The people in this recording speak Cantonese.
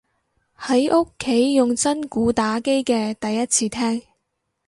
喺屋企用真鼓打機嘅第一次聽